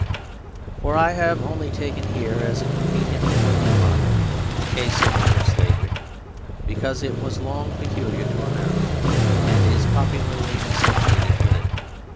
For I have only taken here, as a convenient working model, the case of negro slavery; because it was long peculiar to America and is popularly associated with it.